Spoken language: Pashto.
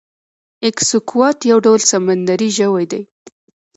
ایکسکوات یو ډول سمندری ژوی دی